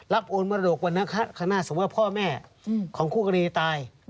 โอนมรดกวันนั้นสมมุติว่าพ่อแม่ของคู่กรณีตาย